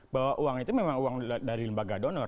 bahwa uang itu memang uang dari lembaga donor